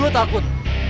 lo kedua takut